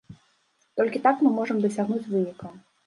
Толькі так мы можам дасягнуць вынікаў.